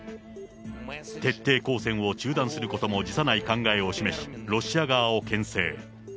徹底抗戦を中断することも辞さない考えを示し、ロシア側をけん制。